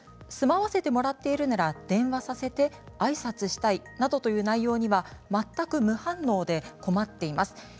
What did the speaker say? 住まわせてもらっているなら電話させてあいさつしたいなどという内容には全く無反応で困っています。